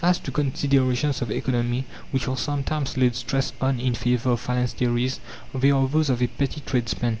As to considerations of economy, which are sometimes laid stress on in favour of phalansteries, they are those of a petty tradesman.